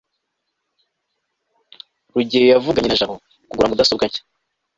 rugeyo yavuganye na jabo kugura mudasobwa nshya